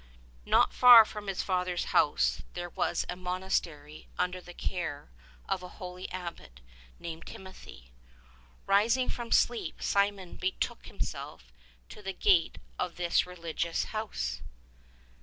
Not far from his father's house there was a monastery under the care of a holy abbot named Timothy. Rising from sleep Simeon betook himself to the gate of this re ligious house.